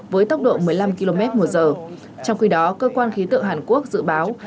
với tốc độ một mươi năm km một giờ trong khi đó cơ quan khí tượng hàn quốc dự báo